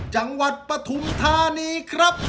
จังหวัดปทุมธานีครับ